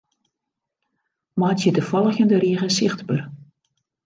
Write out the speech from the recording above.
Meitsje de folgjende rige sichtber.